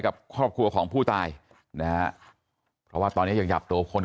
กับครอบครัวของผู้ตายนะฮะเพราะว่าตอนนี้ยังหยับตัวคน